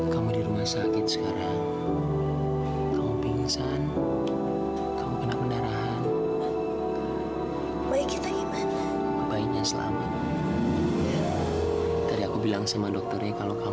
sampai jumpa di video selanjutnya